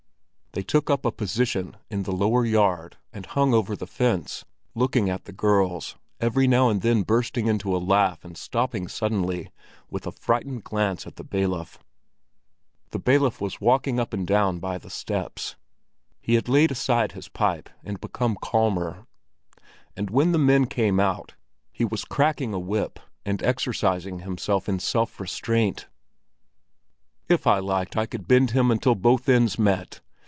They took up a position in the lower yard, and hung over the fence, looking at the girls, every now and then bursting into a laugh and stopping suddenly, with a frightened glance at the bailiff. The bailiff was walking up and down by the steps. He had laid aside his pipe and become calmer; and when the men came out, he was cracking a whip and exercising himself in self restraint. "If I liked I could bend him until both ends met!"